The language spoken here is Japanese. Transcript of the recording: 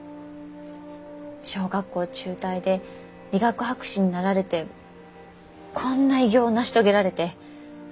小学校中退で理学博士になられてこんな偉業を成し遂げられて。